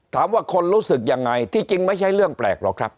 ถามว่าคนรู้สึกยังไงที่จริงไม่ใช่เรื่องแปลกหรอกครับ